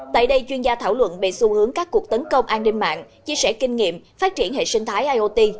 tại đây chuyên gia thảo luận về xu hướng các cuộc tấn công an ninh mạng chia sẻ kinh nghiệm phát triển hệ sinh thái iot